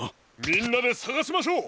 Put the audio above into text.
みんなでさがしましょう！